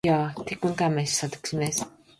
Jā. Tik un tā mēs satiksimies.